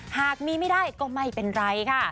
หากมีไม่ได้ก็ไม่เป็นไรค่ะ